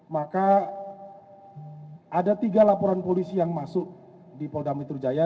maka ada tiga laporan polisi yang masuk di polda metro jaya